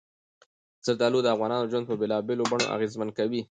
زردالو د افغانانو ژوند په بېلابېلو بڼو اغېزمن کوي.